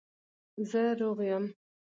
زه روغ یم